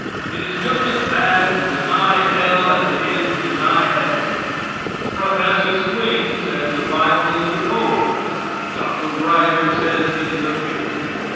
It is just as bad to deny hell as it is to deny heaven. Prof. Swing says the bible is a poem. Dr. Ryder says it is a picture.